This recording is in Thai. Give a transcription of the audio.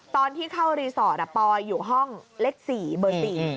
ตอนที่เข้ารีสอร์ทปอยอยู่ห้องเลข๔เบอร์๔